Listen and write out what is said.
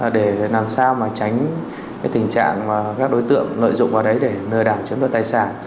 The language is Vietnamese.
để làm sao mà tránh cái tình trạng và các đối tượng lợi dụng vào đấy để lừa đảo chứng đoàn tài sản